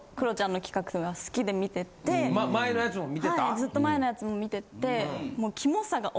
ずっと前のやつも見ててもう。